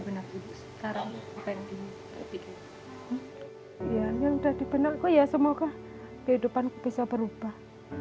benak sekarang yang udah di benakku ya semoga kehidupan bisa berubah